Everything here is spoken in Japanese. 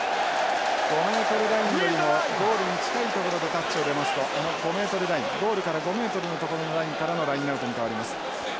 ５メートルラインよりもゴールに近い所でタッチを出ますとこの５メートルラインゴールから５メートルの所のラインからのラインアウトに変わります。